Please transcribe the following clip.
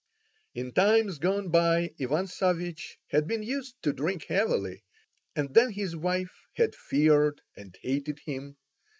In times gone by Ivan Savvich had been used to drink heavily, and then his wife had feared and hated him.